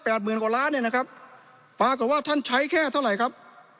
หมื่นกว่าล้านเนี่ยนะครับปรากฏว่าท่านใช้แค่เท่าไหร่ครับ